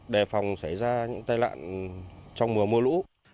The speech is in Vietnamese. đề phòng xảy ra những tai nạn trong mùa mưa lũ